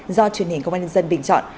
do truyền hình công an nhân dân bình chọn